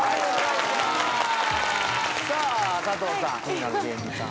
さあ佐藤さん